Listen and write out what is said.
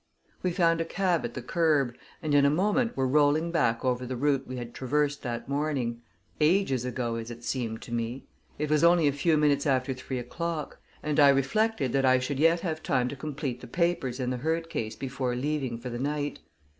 We found a cab at the curb, and in a moment were rolling back over the route we had traversed that morning ages ago, as it seemed to me! It was only a few minutes after three o'clock, and I reflected that I should yet have time to complete the papers in the Hurd case before leaving for the night.